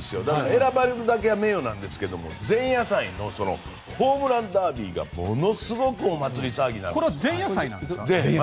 選ばれるだけが名誉なんですけど前夜祭のホームランダービーがものすごくお祭り騒ぎなんです。